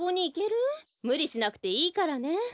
むりしなくていいからね。